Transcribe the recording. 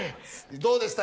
どうでした？